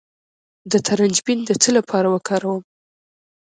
د ترنجبین د څه لپاره وکاروم؟